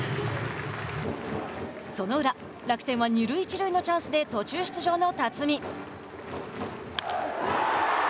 その裏楽天は二塁一塁のチャンスで途中出場の辰己。